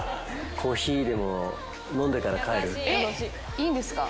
いいんですか？